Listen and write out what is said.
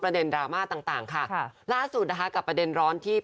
ประเด็นรามาต่างค่ะค่ะล่าสุดนะคะกับประเด็นร้อนที่ไทย